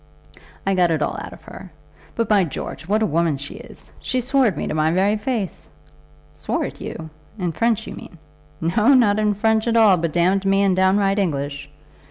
I got it all out of her. But, by George, what a woman she is! She swore at me to my very face." "Swore at you! In French you mean?" "No; not in French at all, but damned me in downright English.